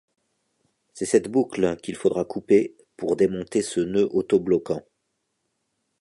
C'est cette boucle qu'il faudra couper pour démonter ce nœud auto-bloquant.